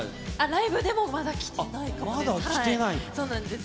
ライブでもまだ着てないです。